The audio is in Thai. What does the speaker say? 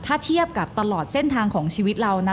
ถ้าเทียบกับตลอดเส้นทางของชีวิตเรานะ